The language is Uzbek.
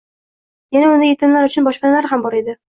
Yana unda yetimlar uchun boshpanalar ham bor edi.